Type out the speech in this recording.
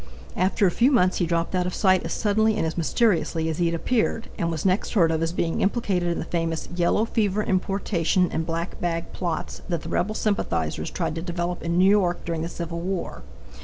After a few months he dropped out of sight as suddenly and as mysteriously as he had appeared and was next heard of as being implicated in the famous "yellow fever importation" and "black bag" plots that the rebel sympathizers tried to develope in New York during the civil war.